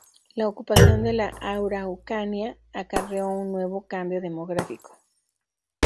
La Ocupación de la Araucanía acarreó un nuevo cambio demográfico.